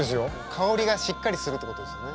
香りがしっかりするってことですよね。